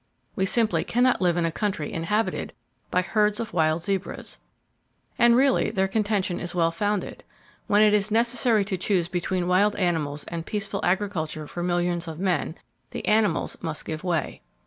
We simply can not live in a country inhabited by herds of wild zebras." And really, their contention is well founded. When it is necessary to choose between wild animals and peaceful agriculture for millions of men, the animals must give way.